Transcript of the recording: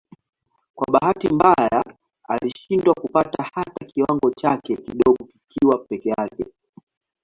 Kwa bahati mbaya alishindwa kupata hata kiwango chake kidogo kikiwa peke yake.